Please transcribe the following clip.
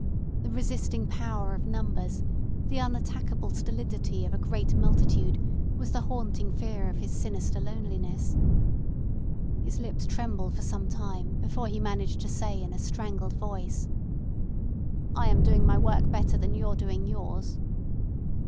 The resisting power of numbers, the unattackable stolidity of a great multitude, was the haunting fear of his sinister loneliness. His lips trembled for some time before he managed to say in a strangled voice: "I am doing my work better than you're doing yours."